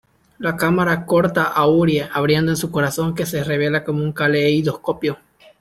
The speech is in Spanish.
La cámara corta a Urie abriendo su corazón, que se revela como un caleidoscopio.